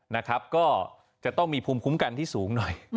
นะครับก็จะต้องมีภูมิคุ้มกันที่สูงหน่อย